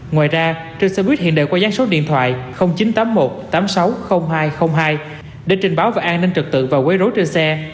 ngoài ra trên xe bus hiện đều có gián số điện thoại chín trăm tám mươi một tám trăm sáu mươi nghìn hai trăm linh hai để trình báo về an ninh trực tự và quê rối trên xe